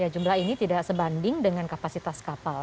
jumlah ini tidak sebanding dengan kapasitas kapal